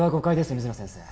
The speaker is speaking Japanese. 水野先生